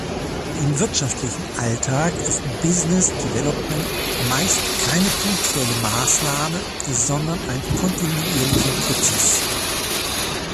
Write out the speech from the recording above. Im wirtschaftlichen Alltag ist Business Development meist keine punktuelle Maßnahme, sondern ein kontinuierlicher Prozess.